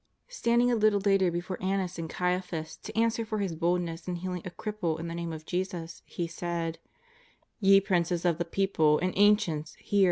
Standing a little later before Annas and Caiaphas to answer for his boldness in healing a cripple in the Name of Jesus, he said: " Ye princes of the people and ancients, hear.